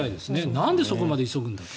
なんでそこまで急ぐのかと。